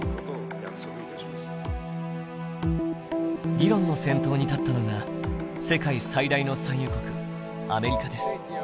議論の先頭に立ったのが世界最大の産油国アメリカです。